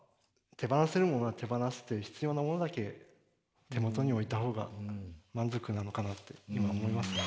手放せるものは手放して必要なものだけ手元に置いた方が満足なのかなって今思いますね。